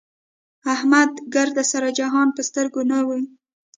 احمد ګردسره جهان په سترګو نه وي.